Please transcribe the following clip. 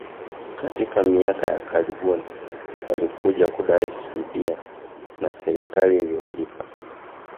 katika miaka ya karibuni walikuja kudai fidia na serikali iliwalipa